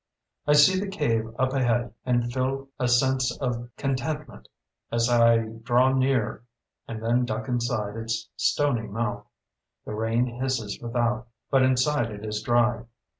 I see the cave up ahead and feel a sense of contentment as I draw near and then duck inside its stony mouth. The rain hisses without, but inside it is dry.